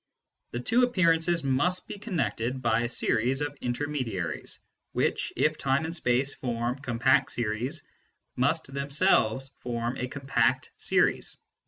The two appearances must be connected by a series of inter mediaries, which, if time and space form compact series, must themselves form a compact series.